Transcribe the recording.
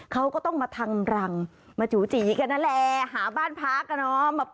เขาก็ต้องมาทำรังมาจูจีกันนั่นแหละหาบ้านพักอ่ะเนาะ